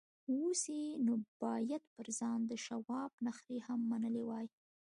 اوس يې نو بايد پر ځان د شواب نخرې هم منلې وای.